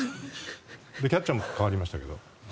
キャッチャーも代わりましたけど。